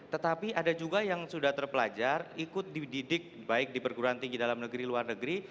tetapi ada juga yang sudah terpelajar ikut dididik baik di perguruan tinggi dalam negeri luar negeri